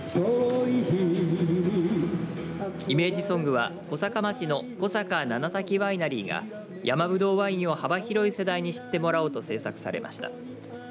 イメージソングは小坂町の小坂七滝ワイナリーが山ぶどうワインを幅広い世代に知ってもらおうと制作されました。